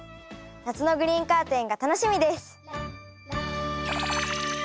夏のグリーンカーテンが楽しみです！